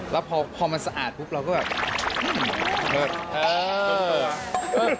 แล้วพอมันสะอาดเราก็สุดจะออกอุ่ม